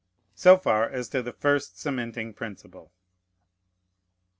So far as to the first cementing principle.